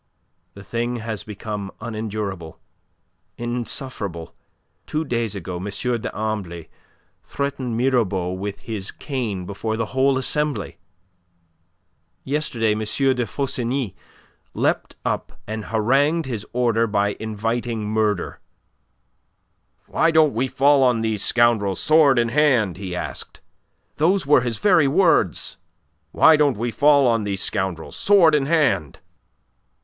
"The thing has become unendurable, insufferable. Two days ago M. d'Ambly threatened Mirabeau with his cane before the whole Assembly. Yesterday M. de Faussigny leapt up and harangued his order by inviting murder. 'Why don't we fall on these scoundrels, sword in hand?' he asked. Those were his very words: 'Why don't we fall on these scoundrels, sword in hand.